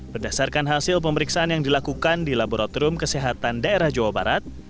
berdasarkan hasil pemeriksaan yang dilakukan di laboratorium kesehatan daerah jawa barat